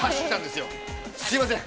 すみません。